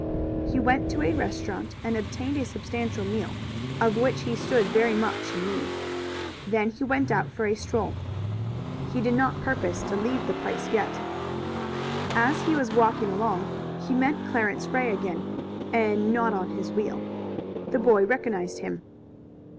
He went to a restaurant and obtained a substantial meal, of which he stood very much in need. Then he went out for a stroll. He did not propose to leave the place yet. As he was walking along he met Clarence Ray again, but not now on his wheel. The boy recognized him.